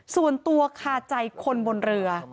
ส่วนตัวคาใจคนบนเรือ